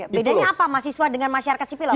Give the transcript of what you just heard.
bedanya apa mahasiswa dengan masyarakat sipil lah